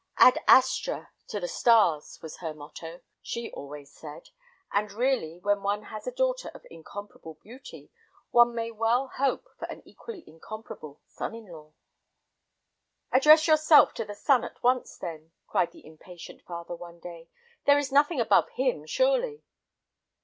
Ad astra! (To the stars!) was her motto, she always said, and really, when one has a daughter of incomparable beauty, one may well hope for an equally incomparable son in law. "Address yourself to the sun at once, then," cried the impatient father one day; "there is nothing above him, surely."